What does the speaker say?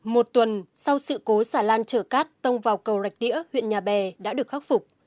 một tuần sau sự cố xà lan chở cát tông vào cầu rạch đĩa huyện nhà bè đã được khắc phục